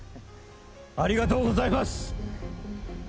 ありがとうございます。